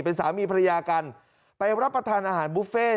เป็นสามีภรรยากันไปรับประทานอาหารบุฟเฟ่